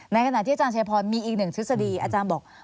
ในขณะที่อาจารย์ชัยพรมีอีกหนึ่งทฤษฎีอาจารย์บอก